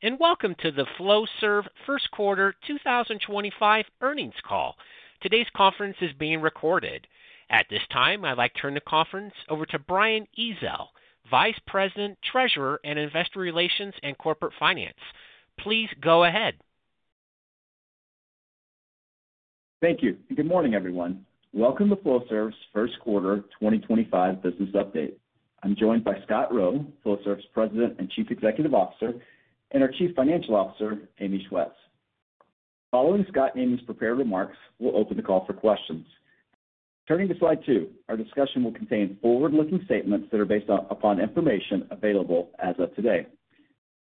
Today, and welcome to the Flowserve First Quarter 2025 earnings call. Today's conference is being recorded. At this time, I'd like to turn the conference over to Brian Ezzell, Vice President, Treasurer, and Investor Relations and Corporate Finance. Please go ahead. Thank you. Good morning, everyone. Welcome to Flowserve's First Quarter 2025 business update. I'm joined by Scott Rowe, Flowserve's President and Chief Executive Officer, and our Chief Financial Officer, Amy Schwetz. Following Scott and Amy's prepared remarks, we'll open the call for questions. Turning to slide two, our discussion will contain forward-looking statements that are based upon information available as of today.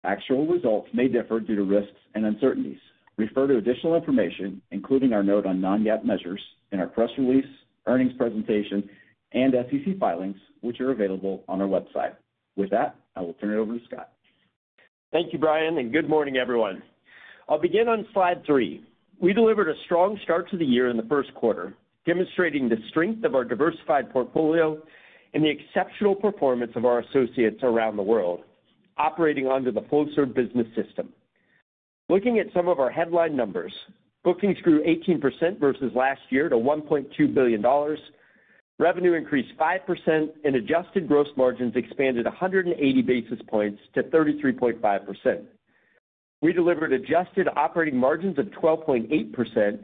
Actual results may differ due to risks and uncertainties. Refer to additional information, including our note on non-GAAP measures in our press release, earnings presentation, and SEC filings, which are available on our website. With that, I will turn it over to Scott. Thank you, Brian, and good morning, everyone. I'll begin on slide three. We delivered a strong start to the year in the first quarter, demonstrating the strength of our diversified portfolio and the exceptional performance of our associates around the world operating under the Flowserve business system. Looking at some of our headline numbers, bookings grew 18% versus last year to $1.2 billion. Revenue increased 5%, and adjusted gross margins expanded 180 basis points to 33.5%. We delivered adjusted operating margins of 12.8%,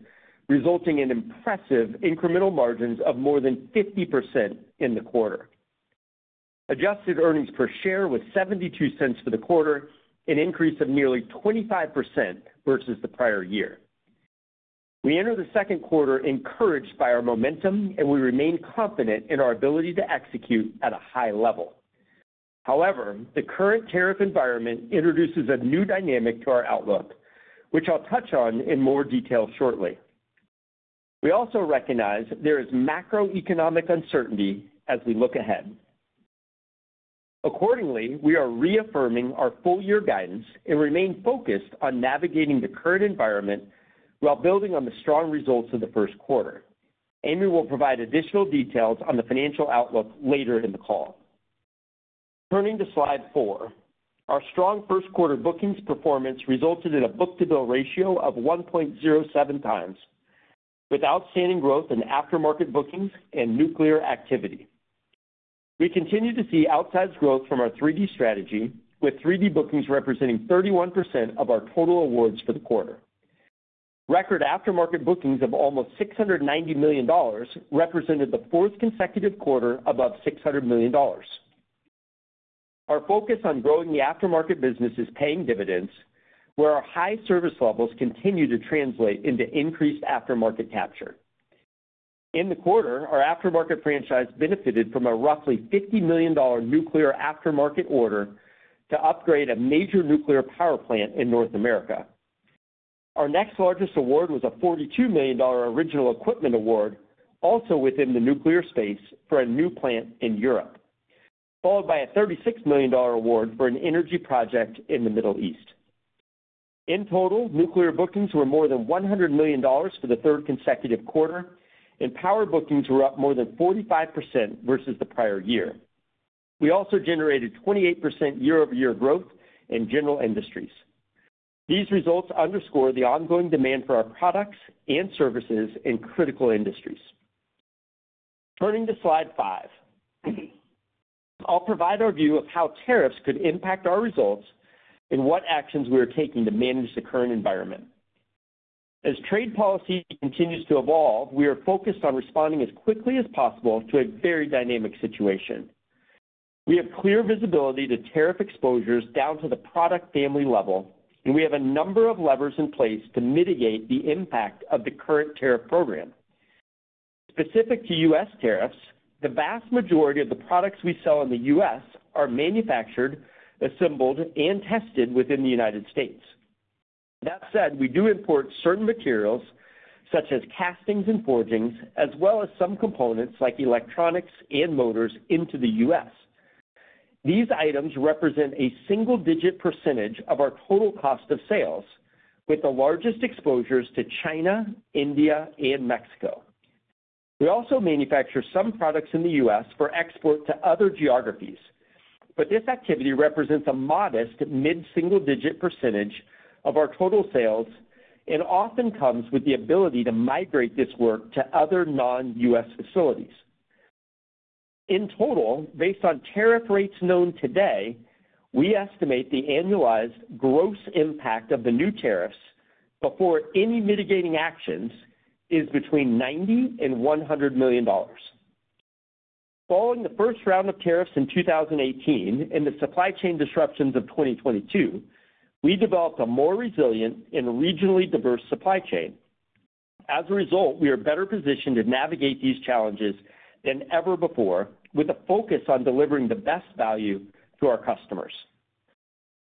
resulting in impressive incremental margins of more than 50% in the quarter. Adjusted earnings per share was $0.72 for the quarter, an increase of nearly 25% versus the prior year. We entered the second quarter encouraged by our momentum, and we remain confident in our ability to execute at a high level. However, the current tariff environment introduces a new dynamic to our outlook, which I'll touch on in more detail shortly. We also recognize there is macroeconomic uncertainty as we look ahead. Accordingly, we are reaffirming our full-year guidance and remain focused on navigating the current environment while building on the strong results of the first quarter. Amy will provide additional details on the financial outlook later in the call. Turning to slide four, our strong first quarter bookings performance resulted in a book-to-bill ratio of 1.07 times, with outstanding growth in aftermarket bookings and nuclear activity. We continue to see outsized growth from our 3D strategy, with 3D bookings representing 31% of our total awards for the quarter. Record aftermarket bookings of almost $690 million represented the fourth consecutive quarter above $600 million. Our focus on growing the aftermarket business is paying dividends, where our high service levels continue to translate into increased aftermarket capture. In the quarter, our aftermarket franchise benefited from a roughly $50 million nuclear aftermarket order to upgrade a major nuclear power plant in North America. Our next largest award was a $42 million original equipment award, also within the nuclear space, for a new plant in Europe, followed by a $36 million award for an energy project in the Middle East. In total, nuclear bookings were more than $100 million for the third consecutive quarter, and power bookings were up more than 45% versus the prior year. We also generated 28% year-over-year growth in general industries. These results underscore the ongoing demand for our products and services in critical industries. Turning to slide five, I'll provide our view of how tariffs could impact our results and what actions we are taking to manage the current environment. As trade policy continues to evolve, we are focused on responding as quickly as possible to a very dynamic situation. We have clear visibility to tariff exposures down to the product family level, and we have a number of levers in place to mitigate the impact of the current tariff program. Specific to U.S. tariffs, the vast majority of the products we sell in the U.S. are manufactured, assembled, and tested within the United States. That said, we do import certain materials, such as castings and forgings, as well as some components like electronics and motors into the U.S. These items represent a single-digit percentage of our total cost of sales, with the largest exposures to China, India, and Mexico. We also manufacture some products in the U.S. for export to other geographies, but this activity represents a modest mid-single-digit % of our total sales and often comes with the ability to migrate this work to other non-U.S. facilities. In total, based on tariff rates known today, we estimate the annualized gross impact of the new tariffs before any mitigating actions is between $90 million and $100 million. Following the first round of tariffs in 2018 and the supply chain disruptions of 2022, we developed a more resilient and regionally diverse supply chain. As a result, we are better positioned to navigate these challenges than ever before, with a focus on delivering the best value to our customers.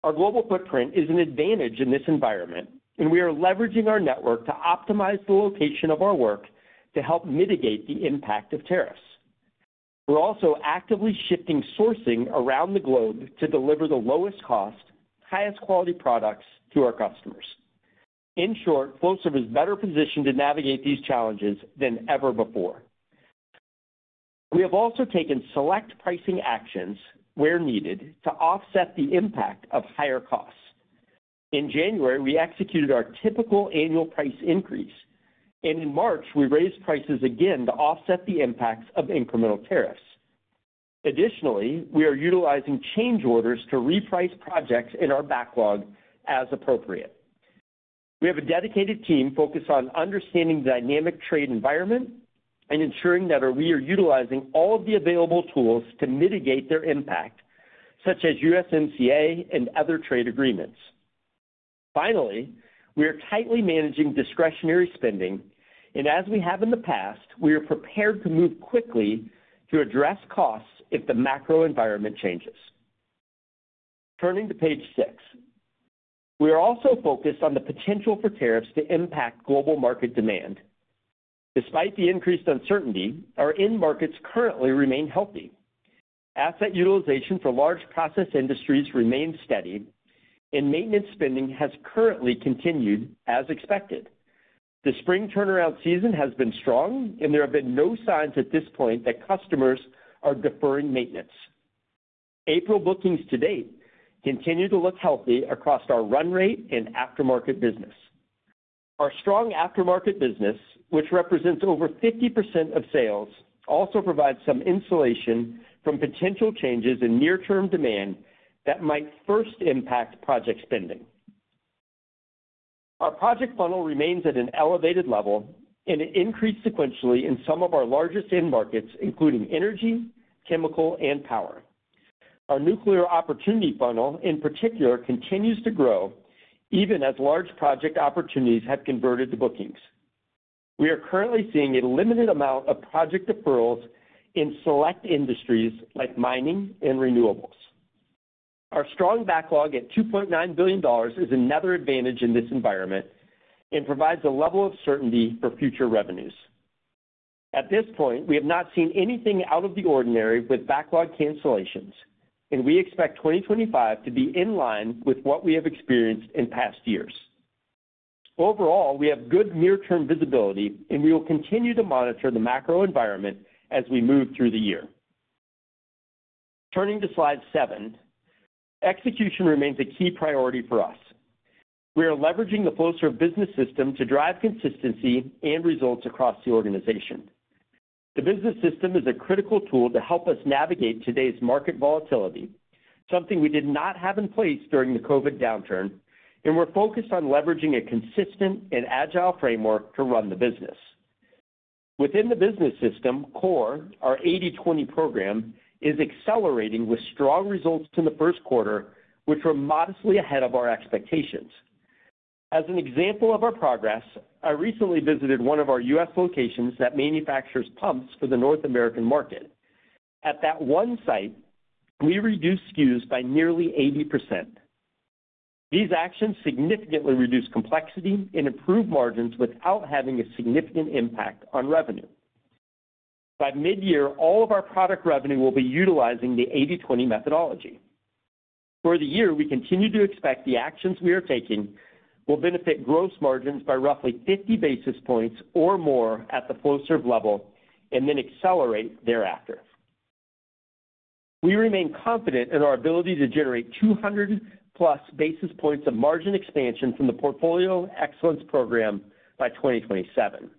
Our global footprint is an advantage in this environment, and we are leveraging our network to optimize the location of our work to help mitigate the impact of tariffs. We're also actively shifting sourcing around the globe to deliver the lowest cost, highest quality products to our customers. In short, Flowserve is better positioned to navigate these challenges than ever before. We have also taken select pricing actions where needed to offset the impact of higher costs. In January, we executed our typical annual price increase, and in March, we raised prices again to offset the impacts of incremental tariffs. Additionally, we are utilizing change orders to reprice projects in our backlog as appropriate. We have a dedicated team focused on understanding the dynamic trade environment and ensuring that we are utilizing all of the available tools to mitigate their impact, such as USMCA and other trade agreements. Finally, we are tightly managing discretionary spending, and as we have in the past, we are prepared to move quickly to address costs if the macro environment changes. Turning to page six, we are also focused on the potential for tariffs to impact global market demand. Despite the increased uncertainty, our end markets currently remain healthy. Asset utilization for large process industries remains steady, and maintenance spending has currently continued as expected. The spring turn around season has been strong, and there have been no signs at this point that customers are deferring maintenance. April bookings to date continue to look healthy across our run rate and aftermarket business. Our strong aftermarket business, which represents over 50% of sales, also provides some insulation from potential changes in near-term demand that might first impact project spending. Our project funnel remains at an elevated level, and it increased sequentially in some of our largest end markets, including energy, chemical, and power. Our nuclear opportunity funnel, in particular, continues to grow even as large project opportunities have converted the bookings. We are currently seeing a limited amount of project deferrals in select industries like mining and renewables. Our strong backlog at $2.9 billion is another advantage in this environment and provides a level of certainty for future revenues. At this point, we have not seen anything out of the ordinary with backlog cancellations, and we expect 2025 to be in line with what we have experienced in past years. Overall, we have good near-term visibility, and we will continue to monitor the macro environment as we move through the year. Turning to slide seven, execution remains a key priority for us. We are leveraging the Flowserve business system to drive consistency and results across the organization. The business system is a critical tool to help us navigate today's market volatility, something we did not have in place during the COVID downturn, and we're focused on leveraging a consistent and agile framework to run the business. Within the business system, CORE, our 80/20 program, is accelerating with strong results in the first quarter, which were modestly ahead of our expectations. As an example of our progress, I recently visited one of our U.S. locations that manufactures pumps for the North American market. At that one site, we reduced SKUs by nearly 80%. These actions significantly reduce complexity and improve margins without having a significant impact on revenue. By mid-year, all of our product revenue will be utilizing the 80/20 methodology. For the year, we continue to expect the actions we are taking will benefit gross margins by roughly 50 basis points or more at the Flowserve level and then accelerate thereafter. We remain confident in our ability to generate 200-plus basis points of margin expansion from the portfolio excellence program by 2027.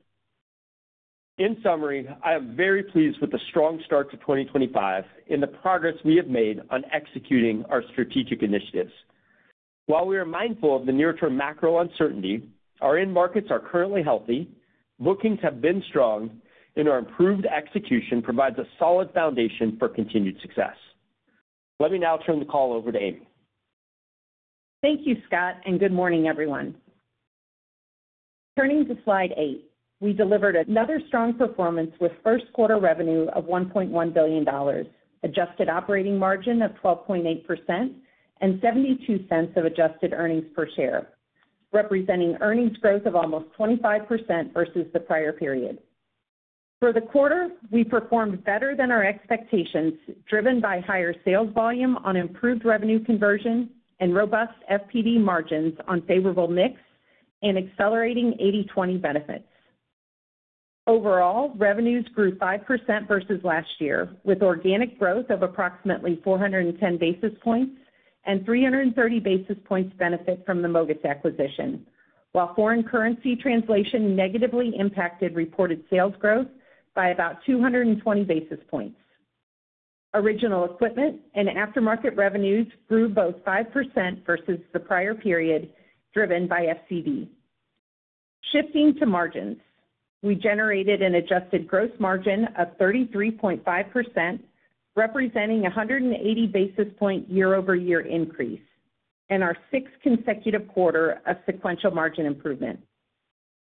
In summary, I am very pleased with the strong start to 2025 and the progress we have made on executing our strategic initiatives. While we are mindful of the near-term macro uncertainty, our end markets are currently healthy, bookings have been strong, and our improved execution provides a solid foundation for continued success. Let me now turn the call over to Amy. Thank you, Scott, and good morning, everyone. Turning to slide eight, we delivered another strong performance with first quarter revenue of $1.1 billion, adjusted operating margin of 12.8%, and $0.72 of adjusted earnings per share, representing earnings growth of almost 25% versus the prior period. For the quarter, we performed better than our expectations, driven by higher sales volume on improved revenue conversion and robust FPD margins on favorable mix and accelerating 80/20 benefits. Overall, revenues grew 5% versus last year, with organic growth of approximately 410 basis points and 330 basis points benefit from the MOGAS acquisition, while foreign currency translation negatively impacted reported sales growth by about 220 basis points. Original equipment and aftermarket revenues grew both 5% versus the prior period, driven by FCD. Shifting to margins, we generated an adjusted gross margin of 33.5%, representing a 180 basis point year-over-year increase and our sixth consecutive quarter of sequential margin improvement.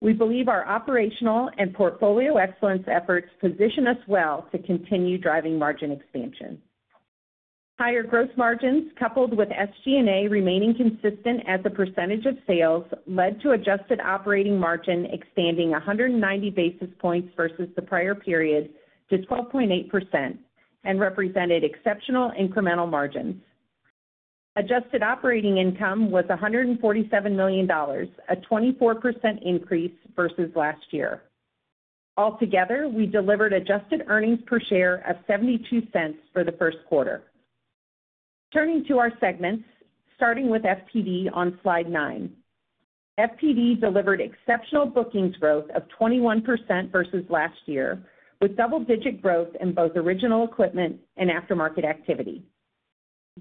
We believe our operational and portfolio excellence efforts position us well to continue driving margin expansion. Higher gross margins, coupled with SG&A remaining consistent as a percentage of sales, led to adjusted operating margin expanding 190 basis points versus the prior period to 12.8% and represented exceptional incremental margins. Adjusted operating income was $147 million, a 24% increase versus last year. Altogether, we delivered adjusted earnings per share of $0.72 for the first quarter. Turning to our segments, starting with FPD on slide nine, FPD delivered exceptional bookings growth of 21% versus last year, with double-digit growth in both original equipment and aftermarket activity.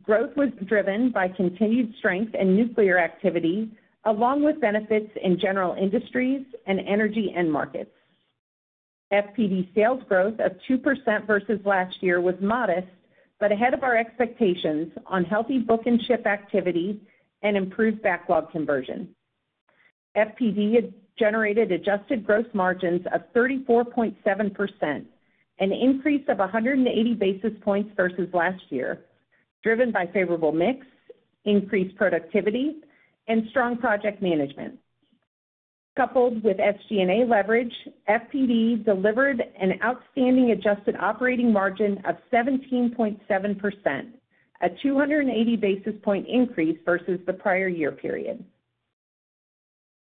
Growth was driven by continued strength in nuclear activity, along with benefits in general industries and energy end markets. FPV sales growth of 2% versus last year was modest, but ahead of our expectations on healthy book and ship activity and improved backlog conversion. FPV generated adjusted gross margins of 34.7%, an increase of 180 basis points versus last year, driven by favorable mix, increased productivity, and strong project management. Coupled with SG&A leverage, FPV delivered an outstanding adjusted operating margin of 17.7%, a 280 basis point increase versus the prior year period.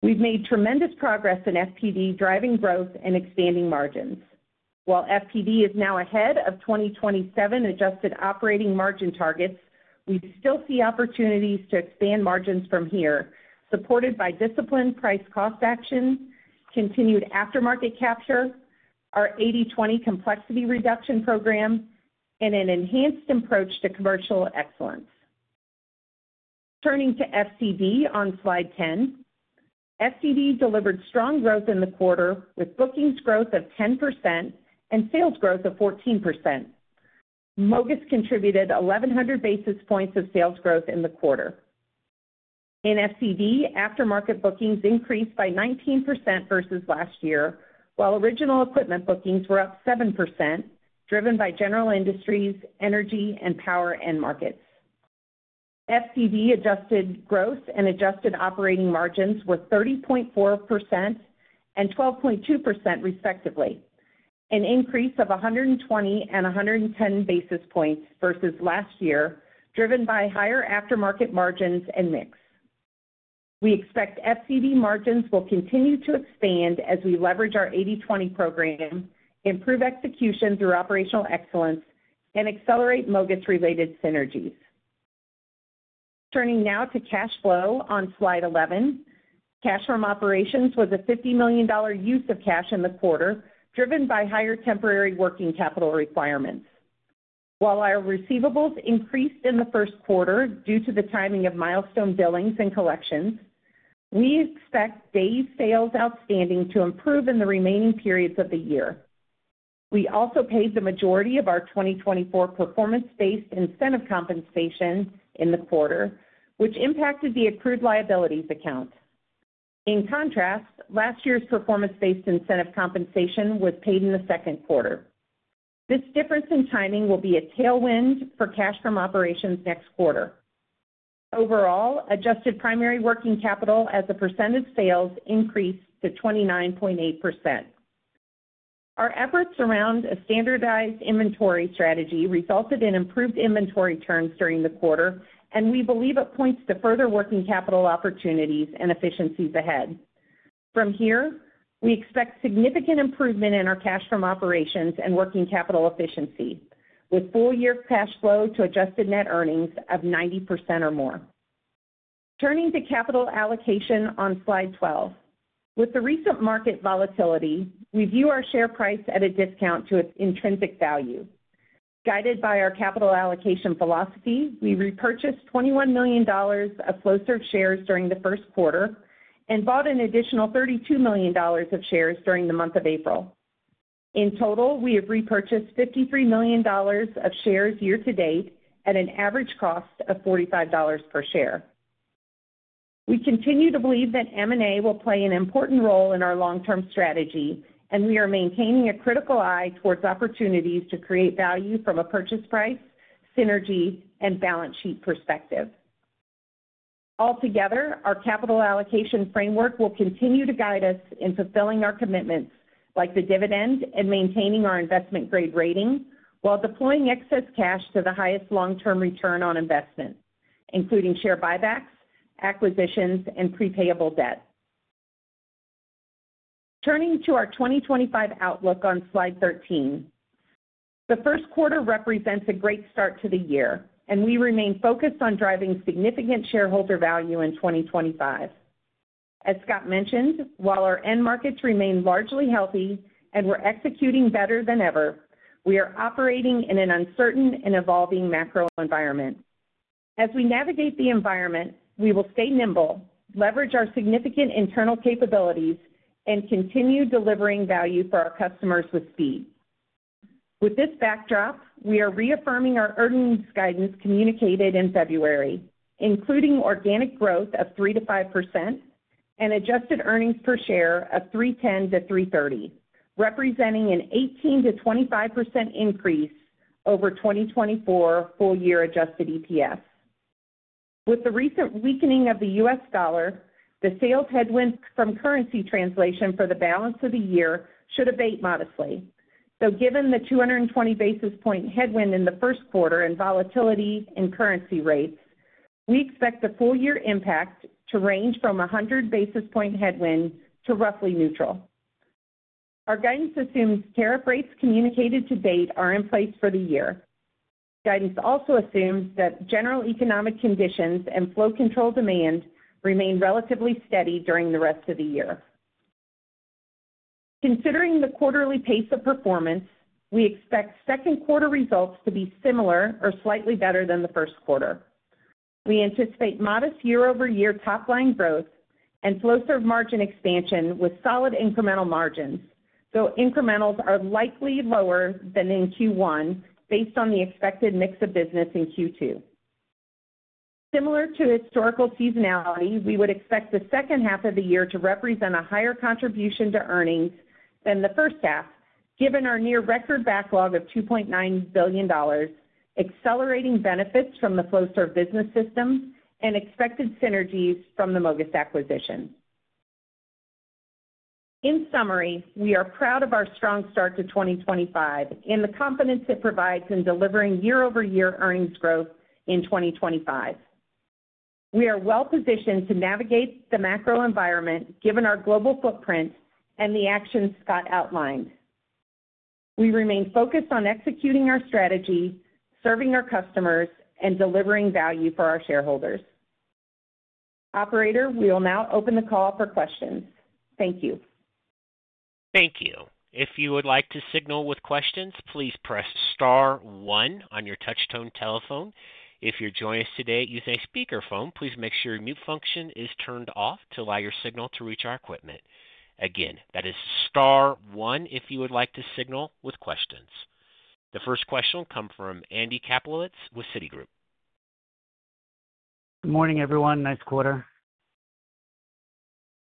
We've made tremendous progress in FPV driving growth and expanding margins. While FPV is now ahead of 2027 adjusted operating margin targets, we still see opportunities to expand margins from here, supported by disciplined price-cost action, continued aftermarket capture, our 80/20 complexity reduction program, and an enhanced approach to commercial excellence. Turning to FCV on slide 10, FCV delivered strong growth in the quarter with bookings growth of 10% and sales growth of 14%. MOGAS contributed 1,100 basis points of sales growth in the quarter. In FCD, aftermarket bookings increased by 19% versus last year, while original equipment bookings were up 7%, driven by general industries, energy, and power end markets. FCD adjusted growth and adjusted operating margins were 30.4% and 12.2%, respectively, an increase of 120 and 110 basis points versus last year, driven by higher aftermarket margins and mix. We expect FCD margins will continue to expand as we leverage our 80/20 program, improve execution through operational excellence, and accelerate MOGAS-related synergies. Turning now to cash flow on slide 11, cash from operations was a $50 million use of cash in the quarter, driven by higher temporary working capital requirements. While our receivables increased in the first quarter due to the timing of milestone billings and collections, we expect day sales outstanding to improve in the remaining periods of the year. We also paid the majority of our 2024 performance-based incentive compensation in the quarter, which impacted the accrued liabilities account. In contrast, last year's performance-based incentive compensation was paid in the second quarter. This difference in timing will be a tailwind for cash from operations next quarter. Overall, adjusted primary working capital as a percent of sales increased to 29.8%. Our efforts around a standardized inventory strategy resulted in improved inventory turns during the quarter, and we believe it points to further working capital opportunities and efficiencies ahead. From here, we expect significant improvement in our cash from operations and working capital efficiency, with full-year cash flow to adjusted net earnings of 90% or more. Turning to capital allocation on slide 12, with the recent market volatility, we view our share price at a discount to its intrinsic value. Guided by our capital allocation philosophy, we repurchased $21 million of Flowserve shares during the first quarter and bought an additional $32 million of shares during the month of April. In total, we have repurchased $53 million of shares year-to-date at an average cost of $45 per share. We continue to believe that M&A will play an important role in our long-term strategy, and we are maintaining a critical eye towards opportunities to create value from a purchase price, synergy, and balance sheet perspective. Altogether, our capital allocation framework will continue to guide us in fulfilling our commitments like the dividend and maintaining our investment-grade rating while deploying excess cash to the highest long-term return on investment, including share buybacks, acquisitions, and prepayable debt. Turning to our 2025 outlook on slide 13, the first quarter represents a great start to the year, and we remain focused on driving significant shareholder value in 2025. As Scott mentioned, while our end markets remain largely healthy and we are executing better than ever, we are operating in an uncertain and evolving macro environment. As we navigate the environment, we will stay nimble, leverage our significant internal capabilities, and continue delivering value for our customers with speed. With this backdrop, we are reaffirming our earnings guidance communicated in February, including organic growth of 3%-5% and adjusted earnings per share of $3.10-$3.30, representing an 18%-25% increase over 2024 full-year adjusted EPS. With the recent weakening of the U.S. dollar, the sales headwind from currency translation for the balance of the year should abate modestly. Though given the 220 basis point headwind in the first quarter and volatility in currency rates, we expect the full-year impact to range from 100 basis point headwind to roughly neutral. Our guidance assumes tariff rates communicated to date are in place for the year. Guidance also assumes that general economic conditions and flow control demand remain relatively steady during the rest of the year. Considering the quarterly pace of performance, we expect second quarter results to be similar or slightly better than the first quarter. We anticipate modest year-over-year top-line growth and Flowserve margin expansion with solid incremental margins, though incrementals are likely lower than in Q1 based on the expected mix of business in Q2. Similar to historical seasonality, we would expect the second half of the year to represent a higher contribution to earnings than the first half, given our near-record backlog of $2.9 billion, accelerating benefits from the Flowserve business system and expected synergies from the MOGAS acquisition. In summary, we are proud of our strong start to 2025 and the confidence it provides in delivering year-over-year earnings growth in 2025. We are well-positioned to navigate the macro environment, given our global footprint and the actions Scott outlined. We remain focused on executing our strategy, serving our customers, and delivering value for our shareholders. Operator, we will now open the call for questions. Thank you. Thank you. If you would like to signal with questions, please press star one on your touchstone telephone. If you're joining us today using a speakerphone, please make sure your mute function is turned off to allow your signal to reach our equipment. Again, that is star one if you would like to signal with questions. The first question will come from Andy Kaplowitz with Citigroup. Good morning, everyone. Nice quarter.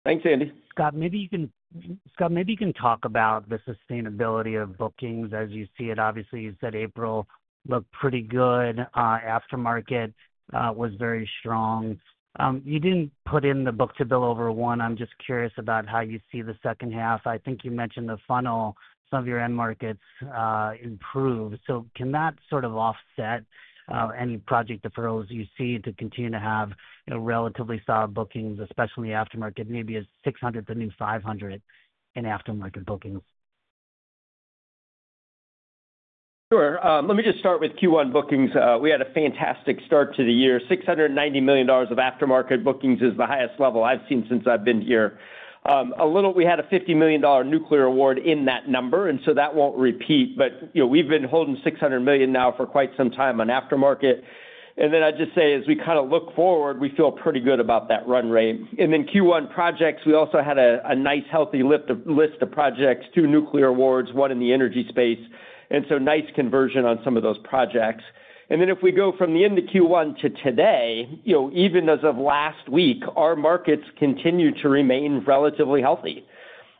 Thanks, Andy. Scott, maybe you can talk about the sustainability of bookings as you see it. Obviously, you said April looked pretty good. Aftermarket was very strong. You did not put in the book-to-bill over one. I am just curious about how you see the second half. I think you mentioned the funnel. Some of your end markets improved. Can that sort of offset any project deferrals you see to continue to have relatively solid bookings, especially aftermarket, maybe a $600 to $500 in aftermarket bookings? Sure. Let me just start with Q1 bookings. We had a fantastic start to the year. $690 million of aftermarket bookings is the highest level I've seen since I've been here. We had a $50 million nuclear award in that number, and that won't repeat. We've been holding $600 million now for quite some time on aftermarket. I would just say, as we kind of look forward, we feel pretty good about that run rate. Q1 projects also had a nice healthy list of projects, two nuclear awards, one in the energy space. Nice conversion on some of those projects. If we go from the end of Q1 to today, even as of last week, our markets continue to remain relatively healthy.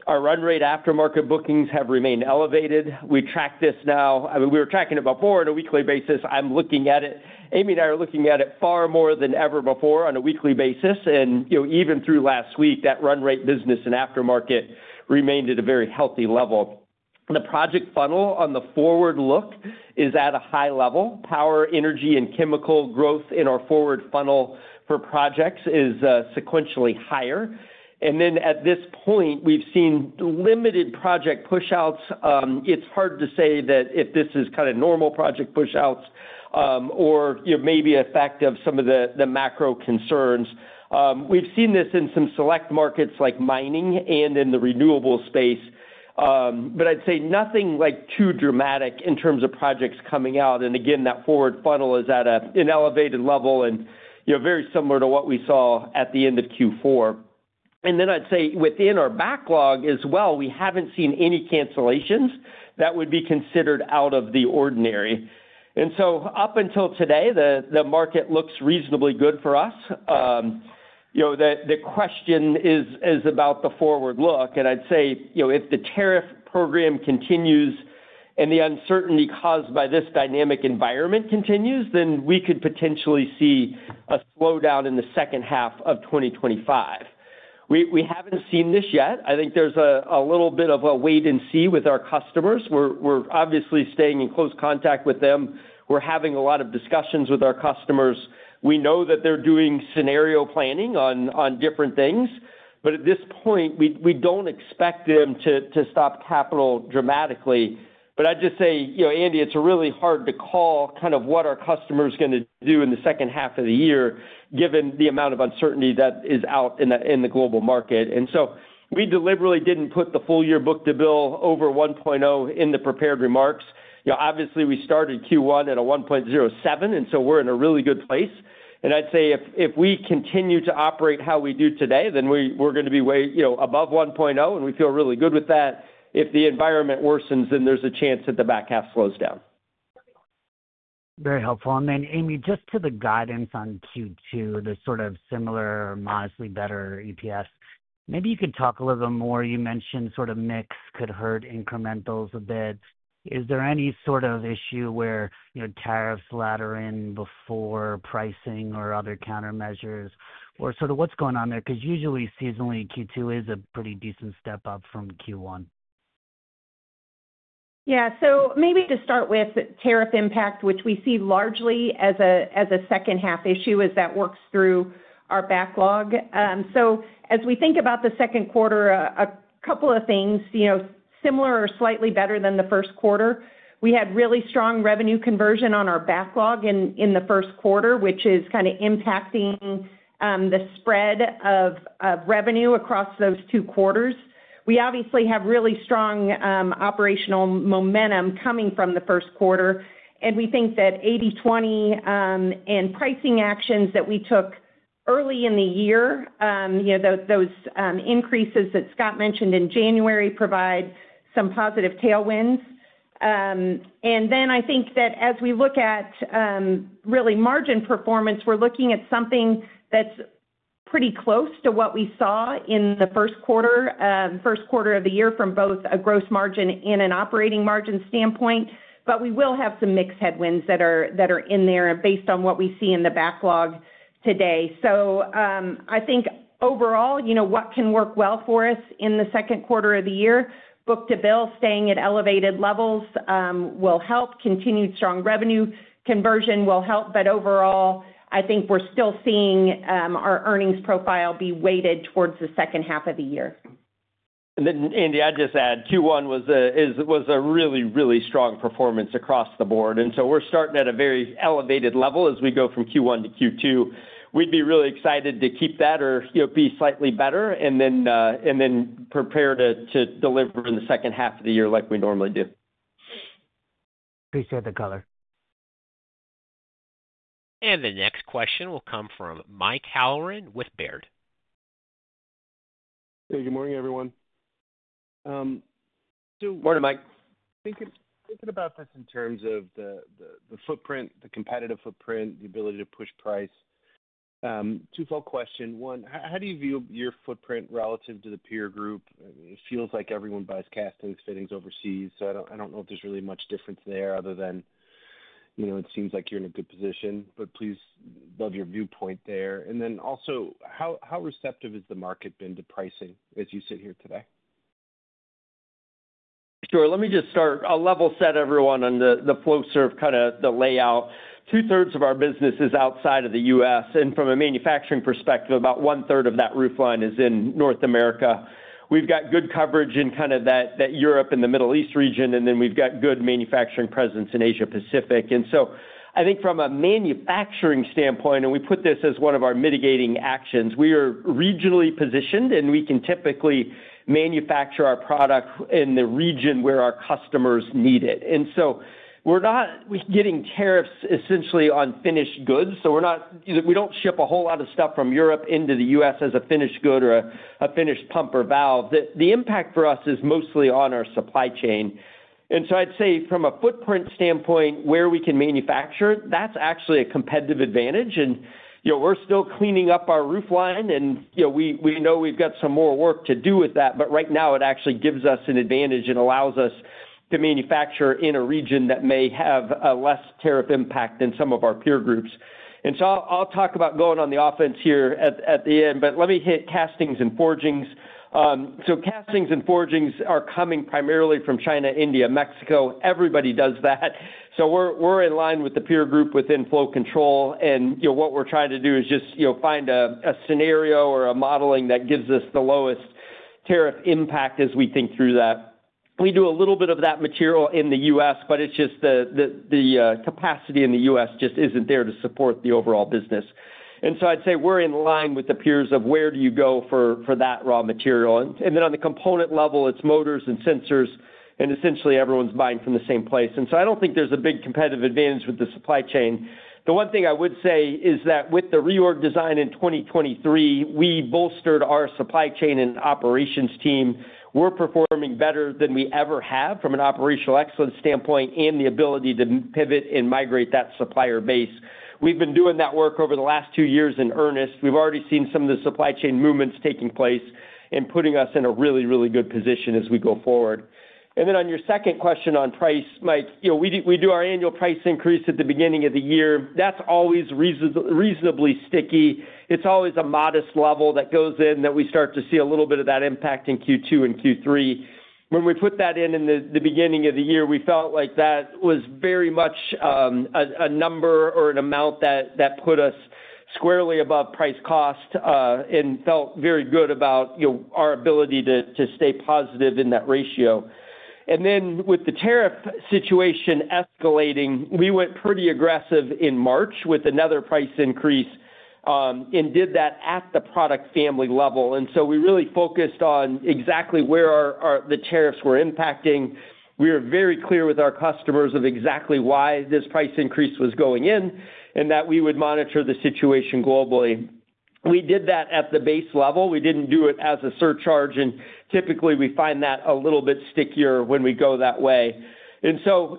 Our run rate aftermarket bookings have remained elevated. We track this now. I mean, we were tracking it before on a weekly basis. I'm looking at it. Amy and I are looking at it far more than ever before on a weekly basis. Even through last week, that run rate business in aftermarket remained at a very healthy level. The project funnel on the forward look is at a high level. Power, energy, and chemical growth in our forward funnel for projects is sequentially higher. At this point, we've seen limited project push-outs. It's hard to say if this is kind of normal project push-outs or maybe a fact of some of the macro concerns. We've seen this in some select markets like mining and in the renewable space. I'd say nothing like too dramatic in terms of projects coming out. That forward funnel is at an elevated level and very similar to what we saw at the end of Q4. Within our backlog as well, we have not seen any cancellations that would be considered out of the ordinary. Up until today, the market looks reasonably good for us. The question is about the forward look. I would say if the tariff program continues and the uncertainty caused by this dynamic environment continues, then we could potentially see a slowdown in the second half of 2025. We have not seen this yet. I think there is a little bit of a wait and see with our customers. We are obviously staying in close contact with them. We are having a lot of discussions with our customers. We know that they are doing scenario planning on different things. At this point, we do not expect them to stop capital dramatically. I would just say, Andy, it is really hard to call kind of what our customer is going to do in the second half of the year, given the amount of uncertainty that is out in the global market. We deliberately did not put the full-year book-to-bill over 1.0 in the prepared remarks. Obviously, we started Q1 at a 1.07, and we are in a really good place. I would say if we continue to operate how we do today, then we are going to be way above 1.0, and we feel really good with that. If the environment worsens, then there is a chance that the back half slows down. Very helpful. Then, Amy, just to the guidance on Q2, the sort of similar modestly better EPS, maybe you could talk a little bit more. You mentioned sort of mix could hurt incrementals a bit. Is there any sort of issue where tariffs ladder in before pricing or other countermeasures? Or sort of what's going on there? Because usually, seasonally, Q2 is a pretty decent step up from Q1. Yeah. Maybe to start with, Tariff impact, which we see largely as a second-half issue as that works through our backlog. As we think about the second quarter, a couple of things similar or slightly better than the first quarter. We had really strong revenue conversion on our backlog in the first quarter, which is kind of impacting the spread of revenue across those two quarters. We obviously have really strong operational momentum coming from the first quarter. We think that 80/20 and pricing actions that we took early in the year, those increases that Scott mentioned in January, provide some positive tailwinds. I think that as we look at really margin performance, we're looking at something that's pretty close to what we saw in the first quarter, first quarter of the year from both a gross margin and an operating margin standpoint. We will have some mixed headwinds that are in there based on what we see in the backlog today. I think overall, what can work well for us in the second quarter of the year, book-to-bill staying at elevated levels will help. Continued strong revenue conversion will help. Overall, I think we're still seeing our earnings profile be weighted towards the second half of the year. Andy, I'd just add Q1 was a really, really strong performance across the board. We are starting at a very elevated level as we go from Q1 to Q2. We'd be really excited to keep that or be slightly better and then prepare to deliver in the second half of the year like we normally do. Appreciate the color. The next question will come from Michael Halloran with Baird. Hey, good morning, everyone. Morning, Michael. Thinking about this in terms of the footprint, the competitive footprint, the ability to push price, two-fold question. One, how do you view your footprint relative to the peer group? It feels like everyone buys castings, fittings overseas. I do not know if there is really much difference there other than it seems like you are in a good position. Please love your viewpoint there. Also, how receptive has the market been to pricing as you sit here today? Sure. Let me just start. I'll level set, everyone, on the Flowserve kind of the layout. Two-thirds of our business is outside of the U.S. From a manufacturing perspective, about one-third of that roofline is in North America. We've got good coverage in kind of that Europe and the Middle East region, and then we've got good manufacturing presence in Asia-Pacific. I think from a manufacturing standpoint, and we put this as one of our mitigating actions, we are regionally positioned, and we can typically manufacture our product in the region where our customers need it. We are not getting tariffs essentially on finished goods. We do not ship a whole lot of stuff from Europe into the U.S. as a finished good or a finished pump or valve. The impact for us is mostly on our supply chain. I'd say from a footprint standpoint, where we can manufacture, that's actually a competitive advantage. We're still cleaning up our roofline, and we know we've got some more work to do with that. Right now, it actually gives us an advantage and allows us to manufacture in a region that may have a less tariff impact than some of our peer groups. I'll talk about going on the offense here at the end. Let me hit castings and forgings. Castings and forgings are coming primarily from China, India, Mexico. Everybody does that. We're in line with the peer group within flow control. What we're trying to do is just find a scenario or a modeling that gives us the lowest tariff impact as we think through that. We do a little bit of that material in the U.S., but it's just the capacity in the U.S. just isn't there to support the overall business. I'd say we're in line with the peers of where do you go for that raw material. On the component level, it's motors and sensors, and essentially everyone's buying from the same place. I don't think there's a big competitive advantage with the supply chain. The one thing I would say is that with the reorg design in 2023, we bolstered our supply chain and operations team. We're performing better than we ever have from an operational excellence standpoint and the ability to pivot and migrate that supplier base. We've been doing that work over the last two years in earnest. We've already seen some of the supply chain movements taking place and putting us in a really, really good position as we go forward. On your second question on price, Mike, we do our annual price increase at the beginning of the year. That's always reasonably sticky. It's always a modest level that goes in that we start to see a little bit of that impact in Q2 and Q3. When we put that in at the beginning of the year, we felt like that was very much a number or an amount that put us squarely above price cost and felt very good about our ability to stay positive in that ratio. With the tariff situation escalating, we went pretty aggressive in March with another price increase and did that at the product family level. We really focused on exactly where the tariffs were impacting. We were very clear with our customers of exactly why this price increase was going in and that we would monitor the situation globally. We did that at the base level. We did not do it as a surcharge. Typically, we find that a little bit stickier when we go that way. I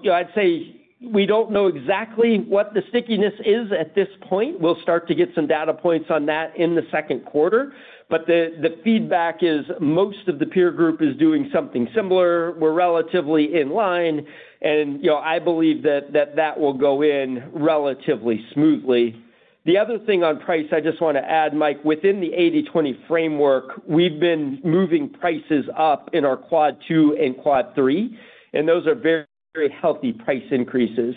would say we do not know exactly what the stickiness is at this point. We will start to get some data points on that in the second quarter. The feedback is most of the peer group is doing something similar. We are relatively in line. I believe that that will go in relatively smoothly. The other thing on price, I just want to add, Michael, within the 80/20 framework, we have been moving prices up in our quad two and quad three. Those are very healthy price increases.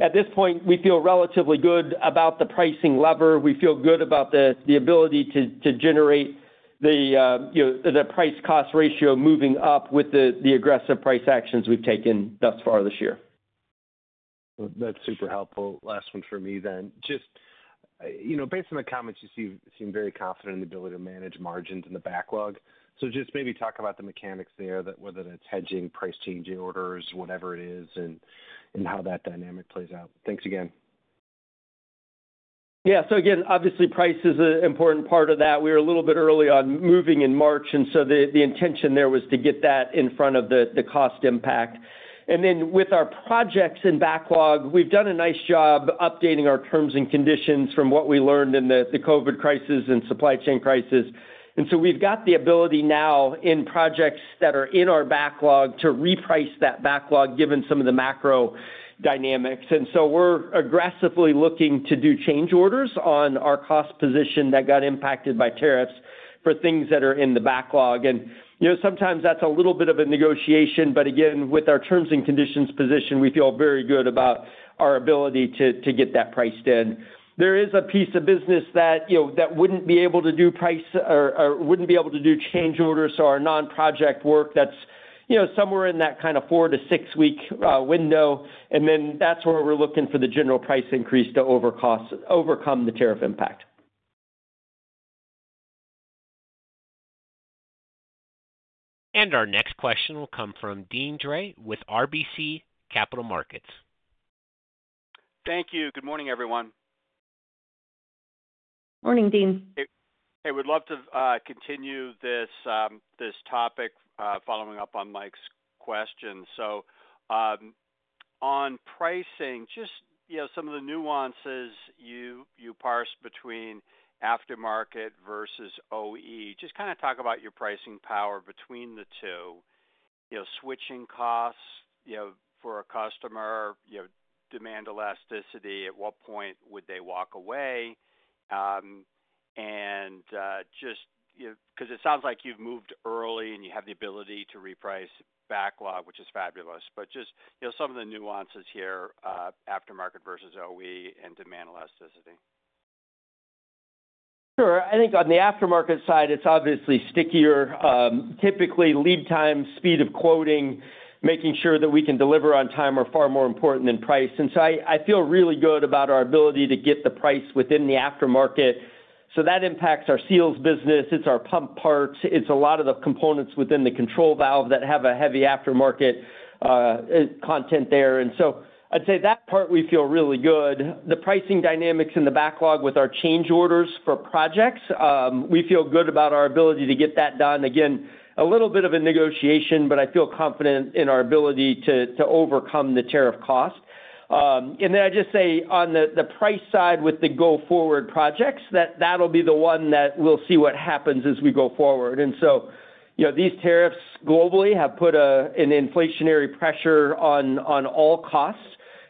At this point, we feel relatively good about the pricing lever. We feel good about the ability to generate the price-cost ratio moving up with the aggressive price actions we have taken thus far this year. That's super helpful. Last one for me then. Just based on the comments, you seem very confident in the ability to manage margins in the backlog. Just maybe talk about the mechanics there, whether that's hedging, price-changing orders, whatever it is, and how that dynamic plays out. Thanks again. Yeah. So again, obviously, price is an important part of that. We were a little bit early on moving in March. The intention there was to get that in front of the cost impact. With our projects in backlog, we've done a nice job updating our terms and conditions from what we learned in the COVID crisis and supply chain crisis. We've got the ability now in projects that are in our backlog to reprice that backlog given some of the macro dynamics. We're aggressively looking to do change orders on our cost position that got impacted by tariffs for things that are in the backlog. Sometimes that's a little bit of a negotiation. Again, with our terms and conditions position, we feel very good about our ability to get that priced in. There is a piece of business that would not be able to do price or would not be able to do change orders or non-project work that is somewhere in that kind of four- to six-week window. That is where we are looking for the general price increase to overcome the tariff impact. Our next question will come from Stephen Drake with RBC Capital Markets. Thank you. Good morning, everyone. Morning, Stephena. Hey, we'd love to continue this topic following up on Michael's' question. On pricing, just some of the nuances you parse between aftermarket versus OE, just kind of talk about your pricing power between the two, switching costs for a customer, demand elasticity, at what point would they walk away. Just because it sounds like you've moved early and you have the ability to reprice backlog, which is fabulous. Just some of the nuances here, aftermarket versus OE and demand elasticity. Sure. I think on the aftermarket side, it's obviously stickier. Typically, lead time, speed of quoting, making sure that we can deliver on time are far more important than price. I feel really good about our ability to get the price within the aftermarket. That impacts our seals business. It's our pump parts. It's a lot of the components within the control valve that have a heavy aftermarket content there. I'd say that part we feel really good. The pricing dynamics in the backlog with our change orders for projects, we feel good about our ability to get that done. Again, a little bit of a negotiation, but I feel confident in our ability to overcome the tariff cost. I just say on the price side with the go-forward projects, that'll be the one that we'll see what happens as we go forward. These tariffs globally have put an inflationary pressure on all costs.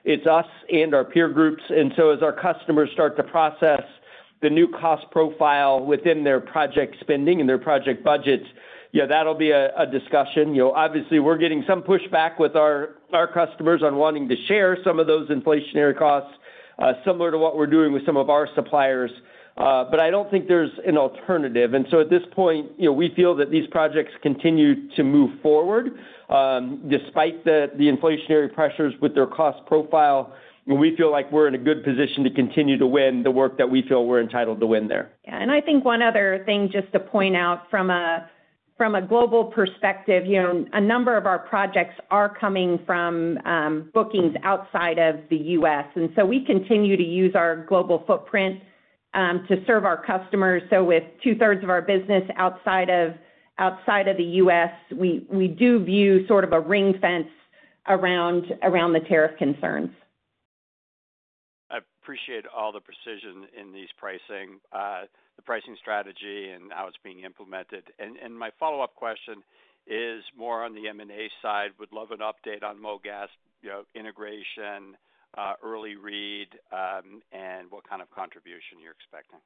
It's us and our peer groups. As our customers start to process the new cost profile within their project spending and their project budgets, that'll be a discussion. Obviously, we're getting some pushback with our customers on wanting to share some of those inflationary costs, similar to what we're doing with some of our suppliers. I don't think there's an alternative. At this point, we feel that these projects continue to move forward despite the inflationary pressures with their cost profile. We feel like we're in a good position to continue to win the work that we feel we're entitled to win there. Yeah. I think one other thing just to point out from a global perspective, a number of our projects are coming from bookings outside of the U.S. We continue to use our global footprint to serve our customers. With two-thirds of our business outside of the U.S., we do view sort of a ring fence around the tariff concerns. I appreciate all the precision in these pricing, the pricing strategy, and how it's being implemented. My follow-up question is more on the M&A side. Would love an update on MOGAS integration, early read, and what kind of contribution you're expecting.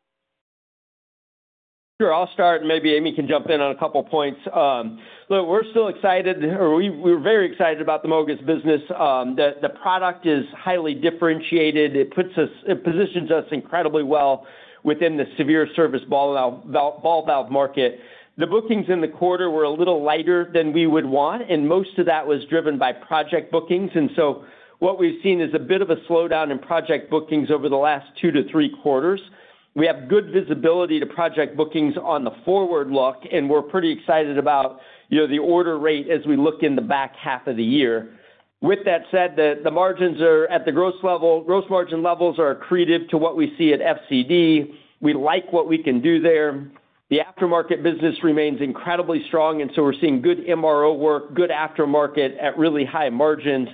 Sure. I'll start, and maybe Amy can jump in on a couple of points. Look, we're still excited, or we're very excited about the MOGAS business. The product is highly differentiated. It positions us incredibly well within the severe service ball valve market. The bookings in the quarter were a little lighter than we would want, and most of that was driven by project bookings. What we've seen is a bit of a slowdown in project bookings over the last two to three quarters. We have good visibility to project bookings on the forward look, and we're pretty excited about the order rate as we look in the back half of the year. With that said, the margins at the gross margin levels are accretive to what we see at FCD. We like what we can do there. The aftermarket business remains incredibly strong, and we are seeing good MRO work, good aftermarket at really high margins.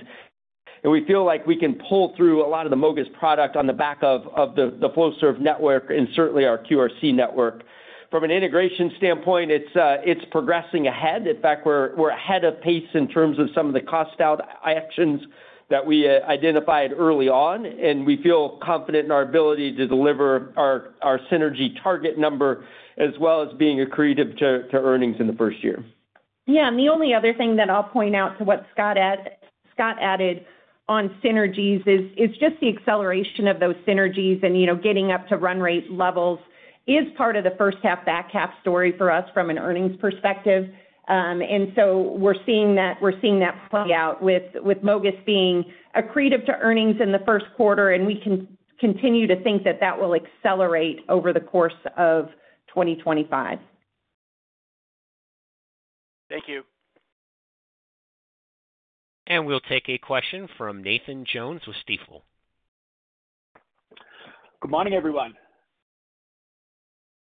We feel like we can pull through a lot of the MOGAS product on the back of the Flowserve network and certainly our QRC network. From an integration standpoint, it is progressing ahead. In fact, we are ahead of pace in terms of some of the cost actions that we identified early on. We feel confident in our ability to deliver our synergy target number as well as being accretive to earnings in the first year. Yeah. The only other thing that I'll point out to what Scott added on synergies is just the acceleration of those synergies and getting up to run rate levels is part of the first-half back half story for us from an earnings perspective. We are seeing that play out with MOGAS being accretive to earnings in the first quarter, and we can continue to think that that will accelerate over the course of 2025. Thank you. We will take a question from Nathan Jones with Stifel. Good morning, everyone.